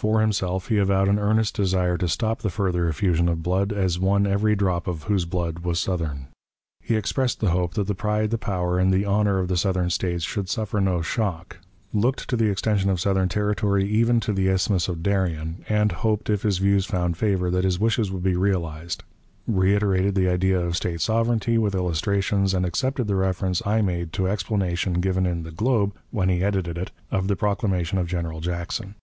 For himself, he avowed an earnest desire to stop the further effusion of blood, as one every drop of whose blood was Southern. He expressed the hope that the pride, the power, and the honor of the Southern States should suffer no shock; looked to the extension of Southern territory even to the Isthmus of Darien, and hoped, if his views found favor, that his wishes would be realized; reiterated the idea of State sovereignty, with illustrations, and accepted the reference I made to explanation given in the 'Globe,' when he edited it, of the proclamation of General Jackson.